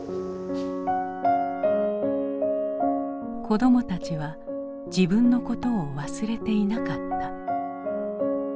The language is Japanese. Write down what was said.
子どもたちは自分のことを忘れていなかった。